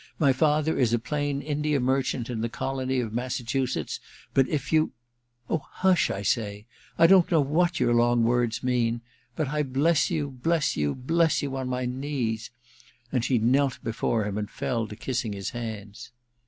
* My father is a plain India merchant in the colony of Massachusetts — but if you Oh, hush, I say ! I don't know what your long words mean. But I bless you, bless you, bless you on my knees !' And she knelt before him, and fell to kissing his hands.